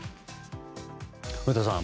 古田さん